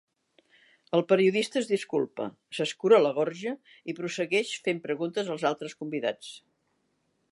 El periodista es disculpa, s'escura la gorja i prossegueix fent preguntes als altres convidats.